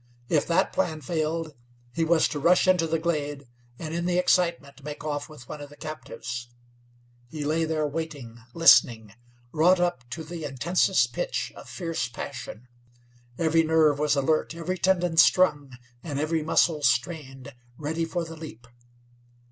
If that plan failed, he was to rush into the glade, and in the excitement make off with one of the captives. He lay there waiting, listening, wrought up to the intensest pitch of fierce passion. Every nerve was alert, every tendon strung, and every muscle strained ready for the leap.